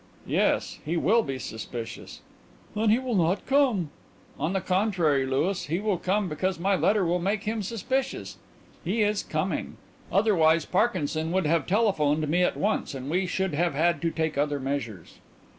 "Yes, he will be suspicious." "Then he will not come." "On the contrary, Louis, he will come because my letter will make him suspicious. He is coming; otherwise Parkinson would have telephoned me at once and we should have had to take other measures."